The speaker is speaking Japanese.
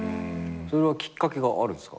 きっかけがあるんですか？